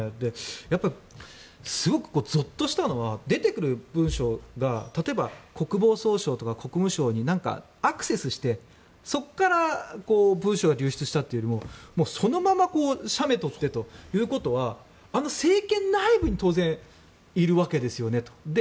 やっぱり、すごくぞっとしたのは出てくる文書が例えば、国防総省とか国務省に何かアクセスしてそこから文書が流出したというよりもそのまま写メを撮ってということはあの政権内部に当然、いるわけですよねと。